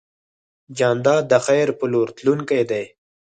جانداد د خیر په لور تلونکی دی.